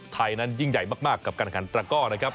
ไทยนั้นยิ่งใหญ่มากกับการขันตระก้อนะครับ